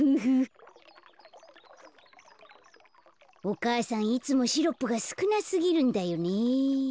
お母さんいつもシロップがすくなすぎるんだよね。